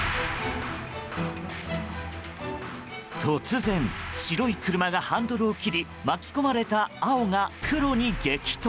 突然、白い車がハンドルを切り巻き込まれた青が黒に激突。